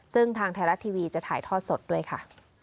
ซึ่งทางไทยรัฐทีวีจะถ่ายทอดสดด้วยค่ะ